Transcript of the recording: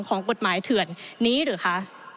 ของกฎหมายเถื่อนนี้หรือคะ